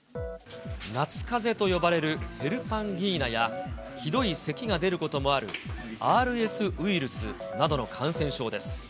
夏かぜと呼ばれるヘルパンギーナやひどいせきが出ることもあるＲＳウイルスなどの感染症です。